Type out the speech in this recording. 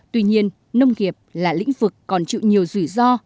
tuy nhiên nông nghiệp là lĩnh vực còn chịu nhiều rủi ro